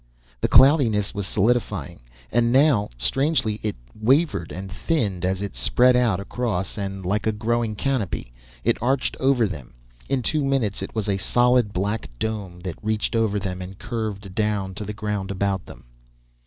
The cloudiness was solidifying, and now strangely it wavered, and thinned, as it spread out across, and like a growing canopy, it arched over them. In two minutes it was a solid, black dome that reached over them and curved down to the ground about them.